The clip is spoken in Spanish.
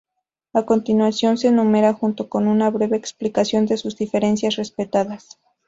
A continuación se enumeran junto con una breve explicación de sus diferencias respetadas.